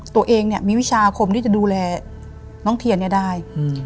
ตัวเองมีวิชาคมที่จะดูแลน้องเทียนได้